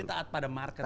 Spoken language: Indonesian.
jadi taat pada market